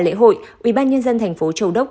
lễ hội ubnd tp châu đốc